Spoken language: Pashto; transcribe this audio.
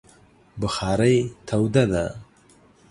بخارۍ توده ده